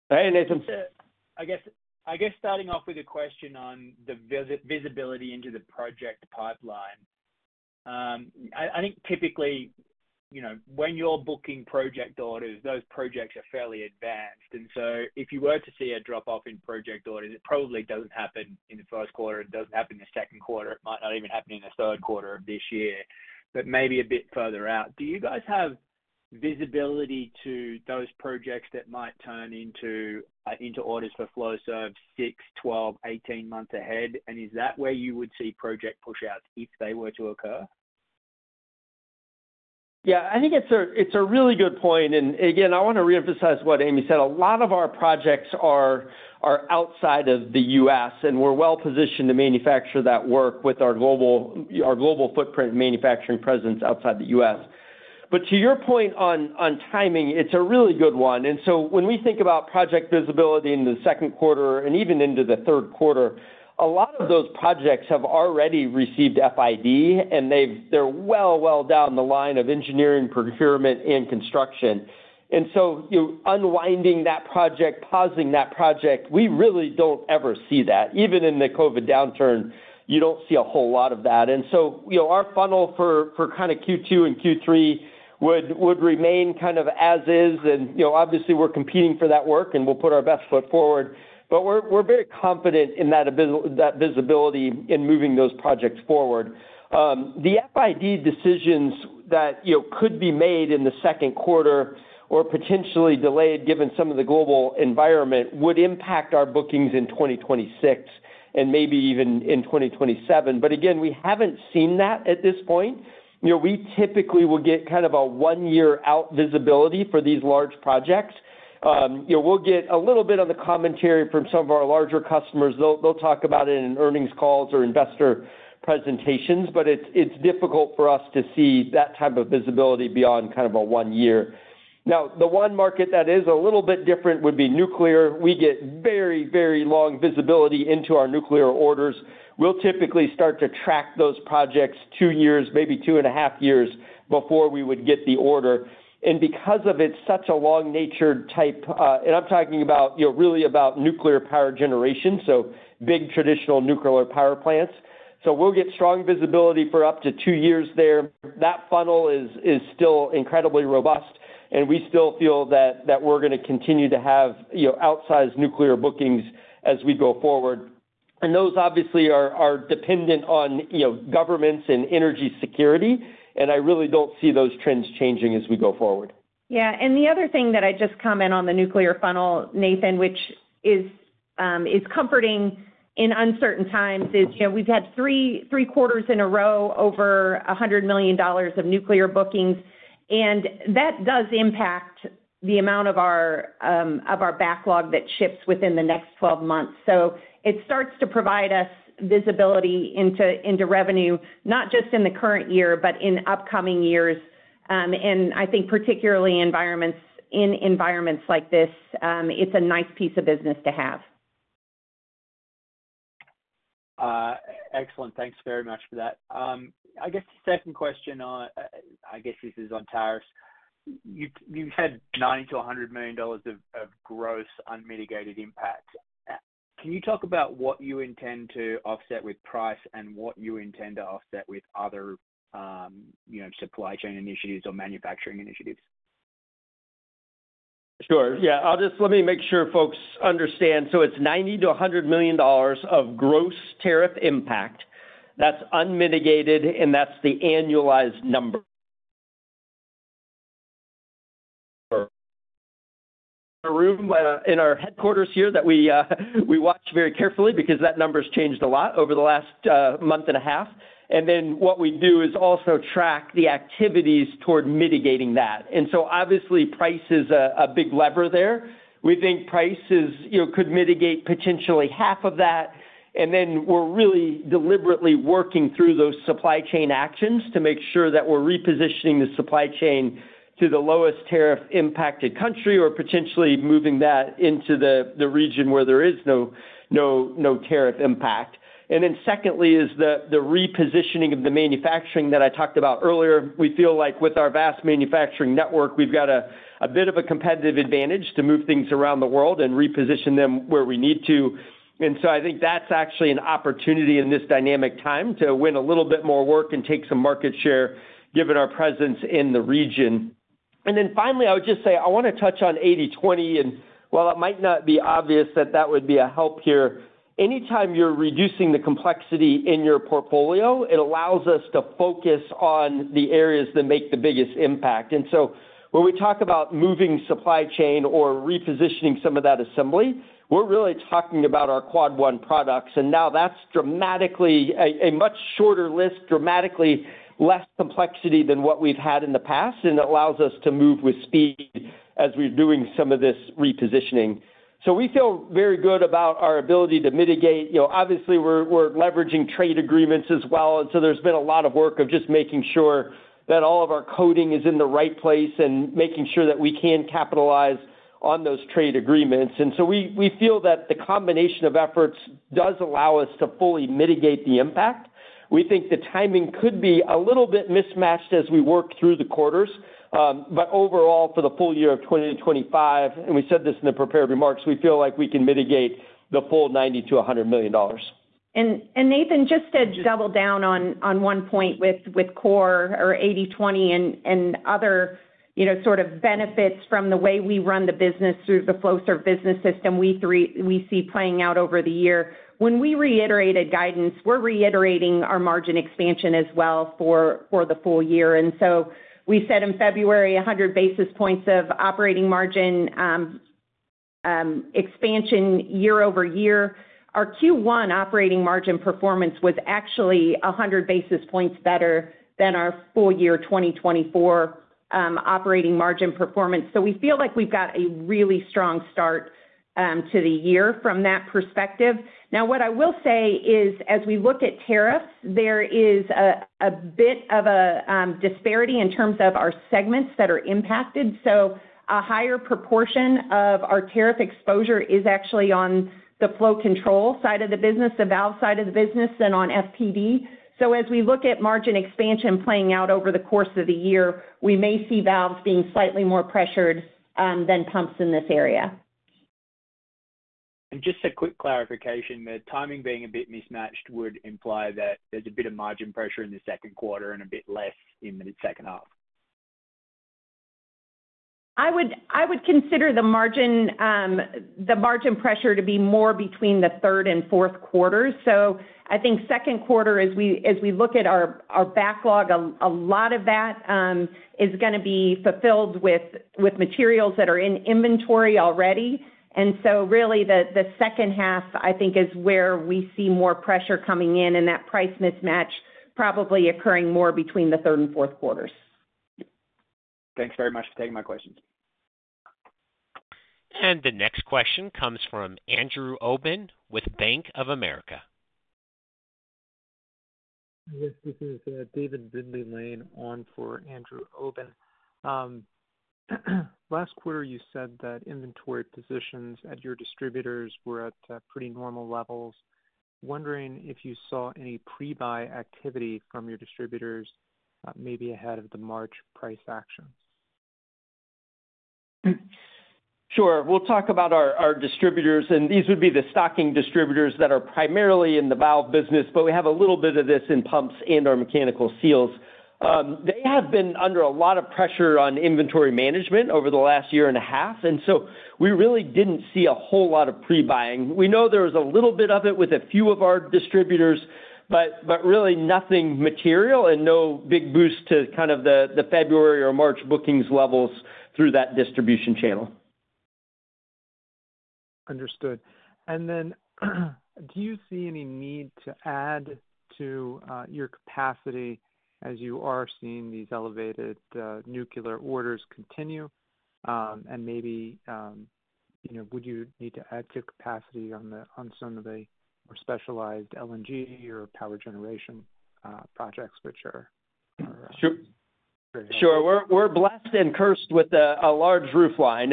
Hey, Nathan. I guess starting off with a question on the visibility into the project pipeline. I think typically when you're booking project orders, those projects are fairly advanced. If you were to see a drop-off in project orders, it probably doesn't happen in the first quarter. It doesn't happen in the second quarter. It might not even happen in the third quarter of this year, but maybe a bit further out. Do you guys have visibility to those projects that might turn into orders for Flowserve 6, 12, 18 months ahead? Is that where you would see project push-outs if they were to occur? Yeah. I think it's a really good point. Again, I want to reemphasize what Amy said. A lot of our projects are outside of the U.S., and we're well-positioned to manufacture that work with our global footprint manufacturing presence outside the U.S. To your point on timing, it's a really good one. When we think about project visibility in the second quarter and even into the third quarter, a lot of those projects have already received FID, and they're well, well down the line of engineering, procurement, and construction. Unwinding that project, pausing that project, we really do not ever see that. Even in the COVID downturn, you do not see a whole lot of that. Our funnel for kind of Q2 and Q3 would remain kind of as is. Obviously, we're competing for that work, and we'll put our best foot forward. We're very confident in that visibility in moving those projects forward. The FID decisions that could be made in the second quarter or potentially delayed given some of the global environment would impact our bookings in 2026 and maybe even in 2027. Again, we haven't seen that at this point. We typically will get kind of a one-year-out visibility for these large projects. We'll get a little bit of the commentary from some of our larger customers. They'll talk about it in earnings calls or investor presentations. It's difficult for us to see that type of visibility beyond kind of a one year. Now, the one market that is a little bit different would be nuclear. We get very, very long visibility into our nuclear orders. We'll typically start to track those projects two years, maybe two and a half years before we would get the order. Because it's such a long-natured type, and I'm talking really about nuclear power generation, so big traditional nuclear power plants, we'll get strong visibility for up to two years there. That funnel is still incredibly robust, and we still feel that we're going to continue to have outsized nuclear bookings as we go forward. Those obviously are dependent on governments and energy security. I really don't see those trends changing as we go forward. Yeah. The other thing that I just comment on the nuclear funnel, Nathan, which is comforting in uncertain times, is we've had three quarters in a row over $100 million of nuclear bookings. That does impact the amount of our backlog that ships within the next 12 months. It starts to provide us visibility into revenue, not just in the current year, but in upcoming years. I think particularly in environments like this, it's a nice piece of business to have. Excellent. Thanks very much for that. I guess the second question, I guess this is on tariffs. You've had $90-$100 million of gross unmitigated impact. Can you talk about what you intend to offset with price and what you intend to offset with other supply chain initiatives or manufacturing initiatives? Sure. Yeah. Let me make sure folks understand. It is $90 million-$100 million of gross tariff impact. That is unmitigated, and that is the annualized number. In our headquarters here that we watch very carefully because that number has changed a lot over the last month and a half. What we do is also track the activities toward mitigating that. Obviously, price is a big lever there. We think price could mitigate potentially half of that. We are really deliberately working through those supply chain actions to make sure that we are repositioning the supply chain to the lowest tariff-impacted country or potentially moving that into the region where there is no tariff impact. Secondly is the repositioning of the manufacturing that I talked about earlier. We feel like with our vast manufacturing network, we've got a bit of a competitive advantage to move things around the world and reposition them where we need to. I think that's actually an opportunity in this dynamic time to win a little bit more work and take some market share given our presence in the region. Finally, I would just say I want to touch on 80/20. While it might not be obvious that that would be a help here, anytime you're reducing the complexity in your portfolio, it allows us to focus on the areas that make the biggest impact. When we talk about moving supply chain or repositioning some of that assembly, we're really talking about our quad one products. Now that's dramatically a much shorter list, dramatically less complexity than what we've had in the past. It allows us to move with speed as we're doing some of this repositioning. We feel very good about our ability to mitigate. Obviously, we're leveraging trade agreements as well. There has been a lot of work of just making sure that all of our coding is in the right place and making sure that we can capitalize on those trade agreements. We feel that the combination of efforts does allow us to fully mitigate the impact. We think the timing could be a little bit mismatched as we work through the quarters. Overall, for the full year of 2025, and we said this in the prepared remarks, we feel like we can mitigate the full $90-$100 million. Nathan just said. Double down on one point with core or 80/20 and other sort of benefits from the way we run the business through the Flowserve business system we see playing out over the year. When we reiterated guidance, we're reiterating our margin expansion as well for the full year. We said in February, 100 basis points of operating margin expansion year over year. Our Q1 operating margin performance was actually 100 basis points better than our full year 2024 operating margin performance. We feel like we've got a really strong start to the year from that perspective. What I will say is, as we look at tariffs, there is a bit of a disparity in terms of our segments that are impacted. A higher proportion of our tariff exposure is actually on the flow control side of the business, the valve side of the business, than on FPD. As we look at margin expansion playing out over the course of the year, we may see valves being slightly more pressured than pumps in this area. Just a quick clarification, the timing being a bit mismatched would imply that there's a bit of margin pressure in the second quarter and a bit less in the second half. I would consider the margin pressure to be more between the third and fourth quarters. I think second quarter, as we look at our backlog, a lot of that is going to be fulfilled with materials that are in inventory already. Really, the second half, I think, is where we see more pressure coming in and that price mismatch probably occurring more between the third and fourth quarters. Thanks very much for taking my questions. The next question comes from Andrew Oben with Bank of America. This is David Bindley-Lane on for Andrew Oben. Last quarter, you said that inventory positions at your distributors were at pretty normal levels. Wondering if you saw any pre-buy activity from your distributors maybe ahead of the March price action. Sure. We'll talk about our distributors. These would be the stocking distributors that are primarily in the valve business, but we have a little bit of this in pumps and our mechanical seals. They have been under a lot of pressure on inventory management over the last year and a half. We really did not see a whole lot of pre-buying. We know there was a little bit of it with a few of our distributors, but really nothing material and no big boost to kind of the February or March bookings levels through that distribution channel. Understood. Do you see any need to add to your capacity as you are seeing these elevated nuclear orders continue? Maybe would you need to add to capacity on some of the more specialized LNG or power generation projects which are. Sure. Sure. We're blessed and cursed with a large roofline.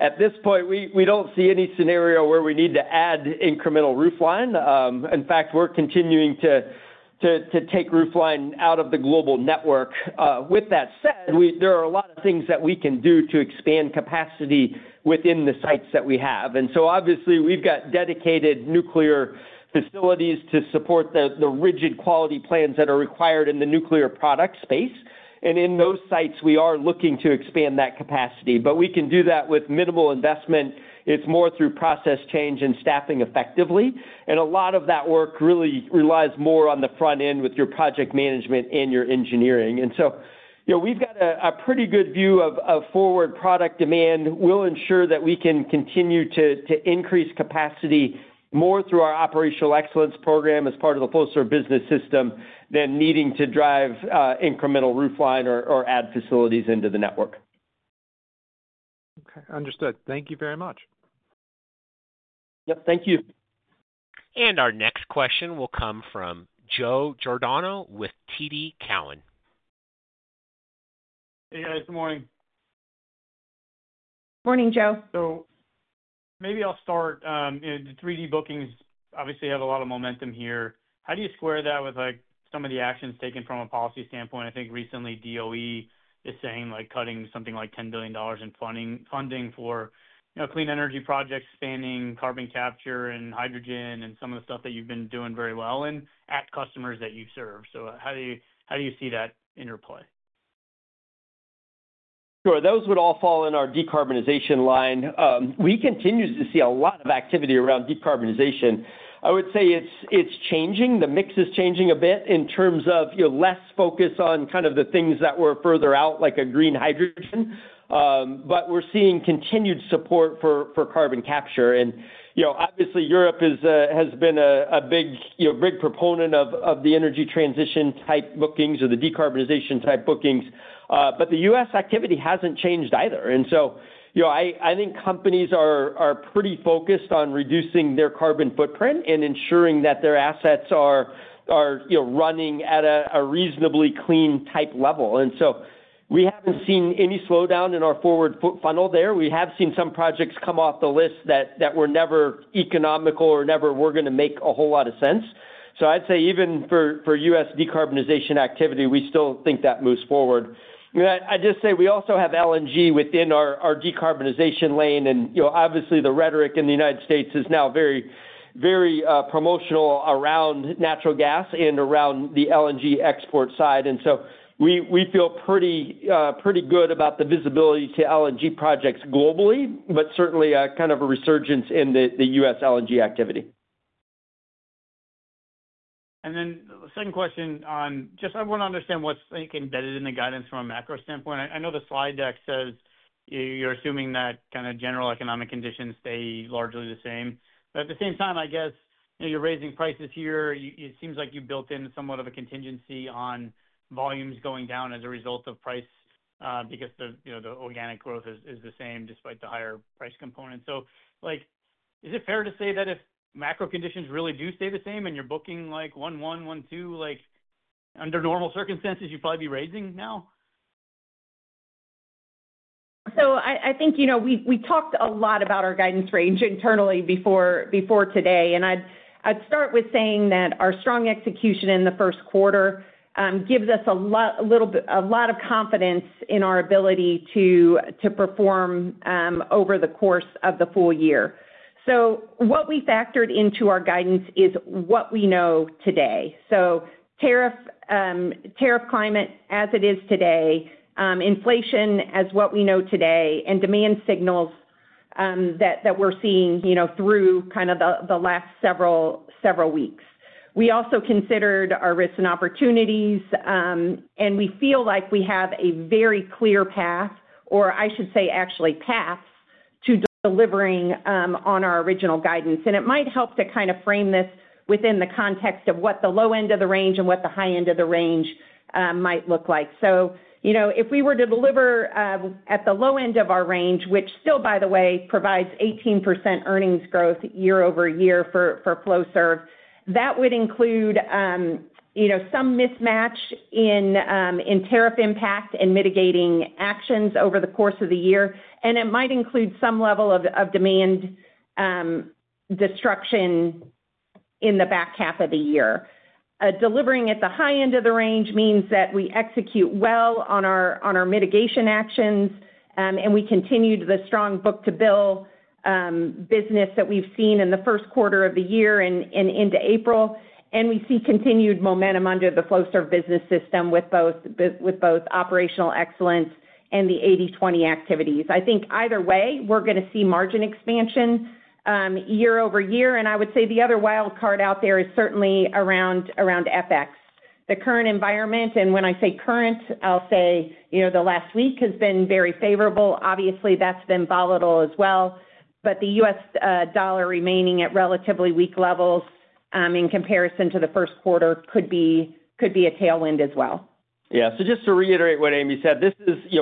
At this point, we don't see any scenario where we need to add incremental roofline. In fact, we're continuing to take roofline out of the global network. With that said, there are a lot of things that we can do to expand capacity within the sites that we have. Obviously, we've got dedicated nuclear facilities to support the rigid quality plans that are required in the nuclear product space. In those sites, we are looking to expand that capacity. We can do that with minimal investment. It's more through process change and staffing effectively. A lot of that work really relies more on the front end with your project management and your engineering. We've got a pretty good view of forward product demand. We'll ensure that we can continue to increase capacity more through our operational excellence program as part of the Flowserve business system than needing to drive incremental roofline or add facilities into the network. Okay. Understood. Thank you very much. Yep. Thank you. Our next question will come from Joseph Giordano with TD Cowen. Hey, guys. Good morning. Morning, Joe. Maybe I'll start. The 3D bookings obviously have a lot of momentum here. How do you square that with some of the actions taken from a policy standpoint? I think recently DOE is saying cutting something like $10 billion in funding for clean energy projects spanning carbon capture and hydrogen and some of the stuff that you've been doing very well in at customers that you serve. How do you see that in your play? Sure. Those would all fall in our decarbonization line. We continue to see a lot of activity around decarbonization. I would say it's changing. The mix is changing a bit in terms of less focus on kind of the things that were further out like a green hydrogen. We are seeing continued support for carbon capture. Obviously, Europe has been a big proponent of the energy transition type bookings or the decarbonization type bookings. The U.S. activity hasn't changed either. I think companies are pretty focused on reducing their carbon footprint and ensuring that their assets are running at a reasonably clean type level. We haven't seen any slowdown in our forward funnel there. We have seen some projects come off the list that were never economical or never were going to make a whole lot of sense. I'd say even for U.S. decarbonization activity, we still think that moves forward. I just say we also have LNG within our decarbonization lane. Obviously, the rhetoric in the United States is now very promotional around natural gas and around the LNG export side. We feel pretty good about the visibility to LNG projects globally, but certainly kind of a resurgence in the U.S. LNG activity. The second question on just I want to understand what's embedded in the guidance from a macro standpoint. I know the slide deck says you're assuming that kind of general economic conditions stay largely the same. At the same time, I guess you're raising prices here. It seems like you built in somewhat of a contingency on volumes going down as a result of price because the organic growth is the same despite the higher price component. Is it fair to say that if macro conditions really do stay the same and you're booking like 1.1, 1.2, under normal circumstances, you'd probably be raising now? I think we talked a lot about our guidance range internally before today. I'd start with saying that our strong execution in the first quarter gives us a lot of confidence in our ability to perform over the course of the full year. What we factored into our guidance is what we know today. Tariff climate as it is today, inflation as what we know today, and demand signals that we're seeing through kind of the last several weeks. We also considered our risks and opportunities. We feel like we have a very clear path, or I should say actually paths, to delivering on our original guidance. It might help to kind of frame this within the context of what the low end of the range and what the high end of the range might look like. If we were to deliver at the low end of our range, which still, by the way, provides 18% earnings growth year over year for Flowserve, that would include some mismatch in tariff impact and mitigating actions over the course of the year. It might include some level of demand destruction in the back half of the year. Delivering at the high end of the range means that we execute well on our mitigation actions. We continued the strong book-to-bill business that we've seen in the first quarter of the year and into April. We see continued momentum under the Flowserve business system with both operational excellence and the 80/20 activities. I think either way, we're going to see margin expansion year over year. I would say the other wild card out there is certainly around FX. The current environment, and when I say current, I'll say the last week has been very favorable. Obviously, that's been volatile as well. The US dollar remaining at relatively weak levels in comparison to the first quarter could be a tailwind as well. Yeah. Just to reiterate what Amy said,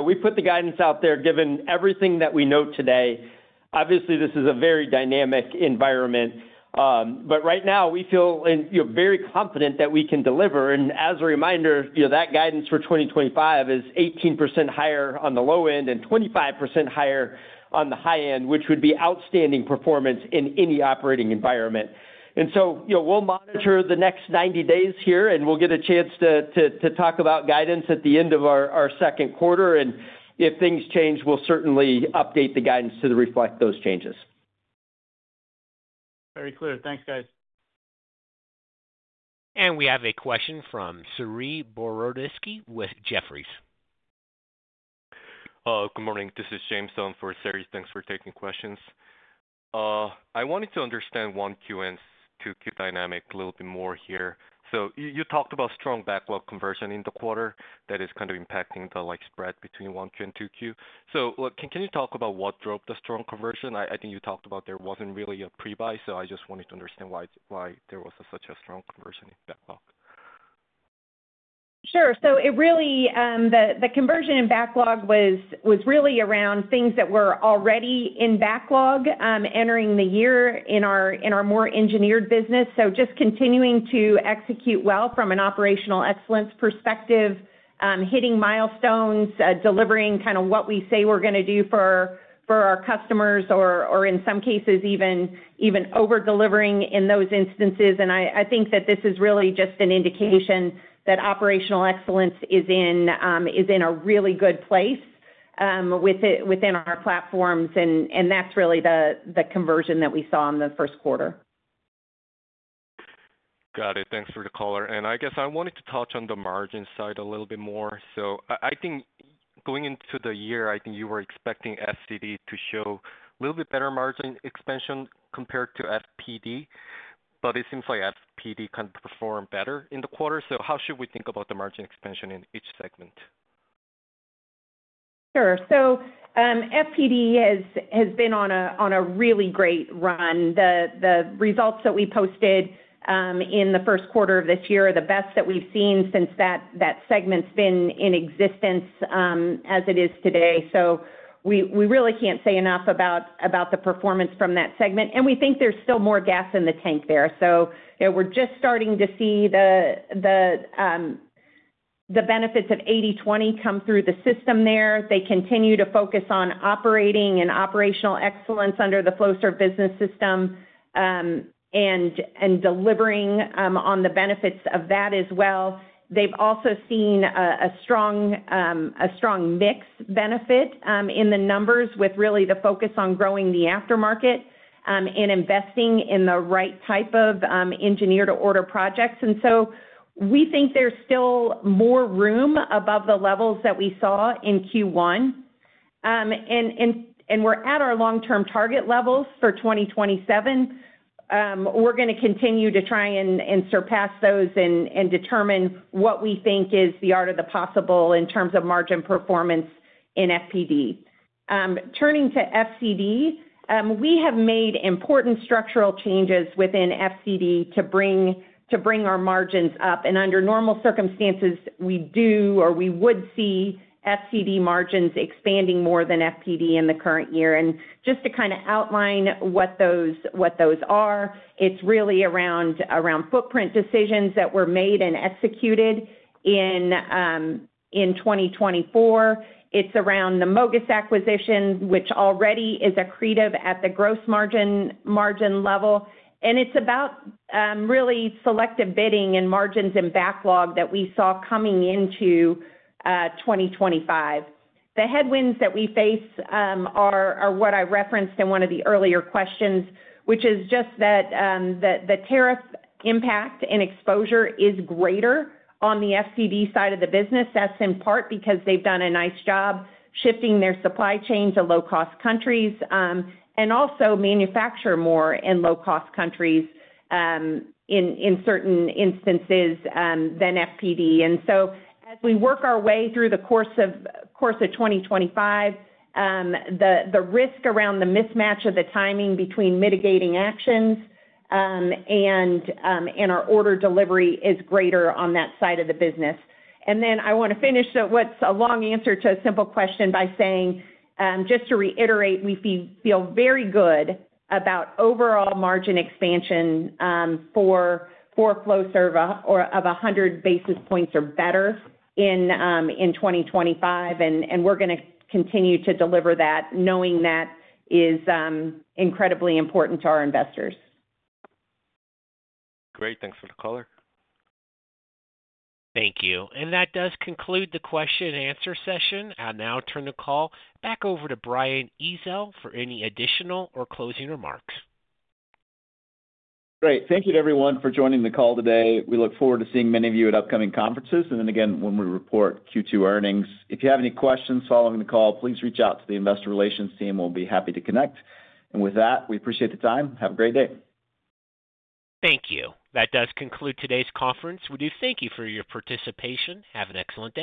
we put the guidance out there given everything that we note today. Obviously, this is a very dynamic environment. Right now, we feel very confident that we can deliver. As a reminder, that guidance for 2025 is 18% higher on the low end and 25% higher on the high end, which would be outstanding performance in any operating environment. We will monitor the next 90 days here, and we will get a chance to talk about guidance at the end of our second quarter. If things change, we will certainly update the guidance to reflect those changes. Very clear. Thanks, guys. We have a question from Saree Boroditsky with Jefferies. Good morning. This is James Thom for Saree. Thanks for taking questions. I wanted to understand 1Q and 2Q dynamic a little bit more here. You talked about strong backlog conversion in the quarter that is kind of impacting the spread between 1Q and 2Q. Can you talk about what drove the strong conversion? I think you talked about there was not really a pre-buy, so I just wanted to understand why there was such a strong conversion in backlog. Sure. The conversion in backlog was really around things that were already in backlog entering the year in our more engineered business. Just continuing to execute well from an operational excellence perspective, hitting milestones, delivering kind of what we say we're going to do for our customers, or in some cases, even over-delivering in those instances. I think that this is really just an indication that operational excellence is in a really good place within our platforms. That's really the conversion that we saw in the first quarter. Got it. Thanks for the color. I guess I wanted to touch on the margin side a little bit more. I think going into the year, I think you were expecting FCD to show a little bit better margin expansion compared to FPD. It seems like FPD kind of performed better in the quarter. How should we think about the margin expansion in each segment? Sure. FPD has been on a really great run. The results that we posted in the first quarter of this year are the best that we've seen since that segment's been in existence as it is today. We really can't say enough about the performance from that segment. We think there's still more gas in the tank there. We're just starting to see the benefits of 80/20 come through the system there. They continue to focus on operating and operational excellence under the Flowserve business system and delivering on the benefits of that as well. They've also seen a strong mix benefit in the numbers with really the focus on growing the aftermarket and investing in the right type of engineered-to-order projects. We think there's still more room above the levels that we saw in Q1. We're at our long-term target levels for 2027. We're going to continue to try and surpass those and determine what we think is the art of the possible in terms of margin performance in FPD. Turning to FCD, we have made important structural changes within FCD to bring our margins up. Under normal circumstances, we do or we would see FCD margins expanding more than FPD in the current year. Just to kind of outline what those are, it's really around footprint decisions that were made and executed in 2024. It's around the MOGAS acquisition, which already is accretive at the gross margin level. It's about really selective bidding and margins in backlog that we saw coming into 2025. The headwinds that we face are what I referenced in one of the earlier questions, which is just that the tariff impact and exposure is greater on the FCD side of the business. That is in part because they have done a nice job shifting their supply chain to low-cost countries and also manufacture more in low-cost countries in certain instances than FPD. As we work our way through the course of 2025, the risk around the mismatch of the timing between mitigating actions and our order delivery is greater on that side of the business. I want to finish what is a long answer to a simple question by saying, just to reiterate, we feel very good about overall margin expansion for Flowserve of 100 basis points or better in 2025. We are going to continue to deliver that, knowing that is incredibly important to our investors. Great. Thanks for the call. Thank you. That does conclude the question-and-answer session. I'll now turn the call back over to Brian Ezzell for any additional or closing remarks. Great. Thank you to everyone for joining the call today. We look forward to seeing many of you at upcoming conferences. We look forward to when we report Q2 earnings. If you have any questions following the call, please reach out to the investor relations team. We'll be happy to connect. With that, we appreciate the time. Have a great day. Thank you. That does conclude today's conference. We do thank you for your participation. Have an excellent day.